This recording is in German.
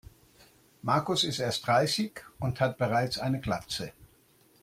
Markus ist erst dreißig und hat bereits eine Glatze.